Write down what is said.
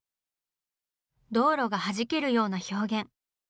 道路がはじけるような表現。